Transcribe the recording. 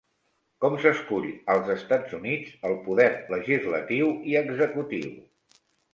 Com s'escull als Estats Units el poder legislatiu i executiu?